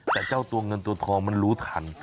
แต่เจ้าตัวเงินตัวทองมันรู้ทัน